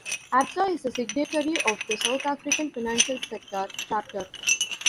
Absa is a signatory of the South African Financial Sector Charter.